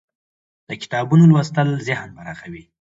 د کتابونو لوستل ذهن پراخوي.